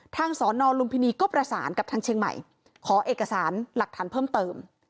สอนอลุมพินีก็ประสานกับทางเชียงใหม่ขอเอกสารหลักฐานเพิ่มเติม